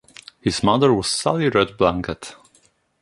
His mother was Sally Red Blanket.